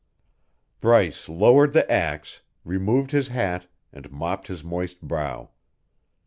Bryce lowered the axe, removed his hat, and mopped his moist brow.